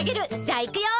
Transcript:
じゃあ行くよ。